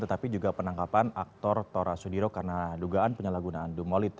tetapi juga penangkapan aktor tora sudiro karena dugaan penyalahgunaan dumolit